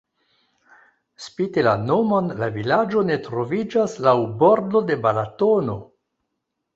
Spite la nomon la vilaĝo ne troviĝas laŭ bordo de Balatono.